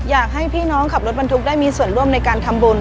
อยากให้พี่น้องขับรถบรรทุกได้มีส่วนร่วมในการทำบุญ